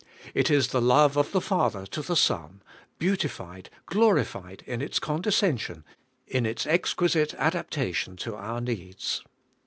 It is the love of the Father to the Son, beautified, glorified, in its / condescension, in its exquisite adaptation to our^ needs.